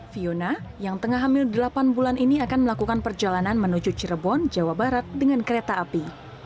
fiona yang tengah hamil delapan bulan ini akan melakukan perjalanan menuju cirebon jawa barat dengan kereta api